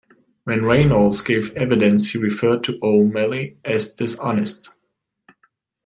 When Reynolds gave evidence he referred to O'Malley as "dishonest".